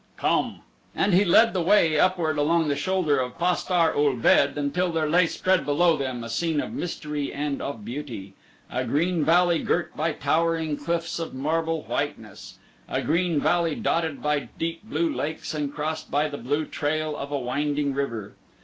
Come!" and he led the way upward along the shoulder of Pastar ul ved until there lay spread below them a scene of mystery and of beauty a green valley girt by towering cliffs of marble whiteness a green valley dotted by deep blue lakes and crossed by the blue trail of a winding river.